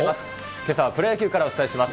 けさはプロ野球からお伝えします。